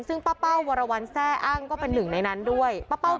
ซึ่งป้าเป้าวรวรรณแทร่อ้างก็เป็นหนึ่งในนั้นด้วยป้าเป้า